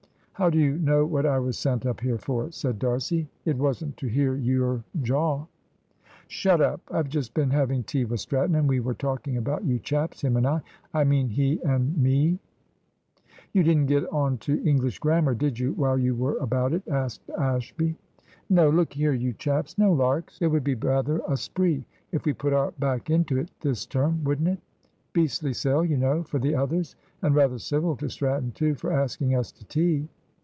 "How do you know what I was sent up here for?" said D'Arcy. "It wasn't to hear your jaw." "Shut up. I've just been having tea with Stratton, and we were talking about you chaps, him and I I mean he and me." "You didn't get on to English grammar, did you, while you were about it?" asked Ashby. "No. Look here, you chaps, no larks. It would be rather a spree if we put our back into it this term, wouldn't it? beastly sell, you know, for the others; and rather civil to Stratton too, for asking us to tea."